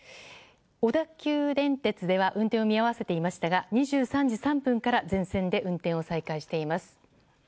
小田急電鉄では運転を見合わせていましたが２３時３分から全線で運転を再開しています。